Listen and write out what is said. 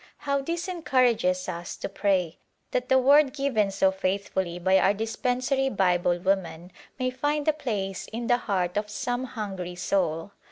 How this encourages us to pray that the Word given so faithfully by our dispensary Bible woman may find a place in the heart of some hungry soul.